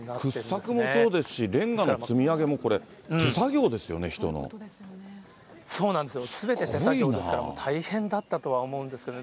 掘削もそうですし、レンガの積み上げもこれ、手作業ですよね、そうなんですよ、すべて手作業ですから、大変だったとは思うんですけどね。